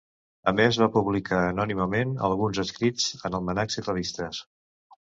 A més va publicar anònimament alguns escrits en almanacs i revistes.